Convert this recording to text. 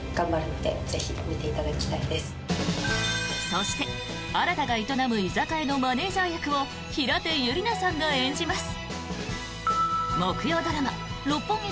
そして、新が営む居酒屋のマネジャー役を平手友梨奈さんが演じます。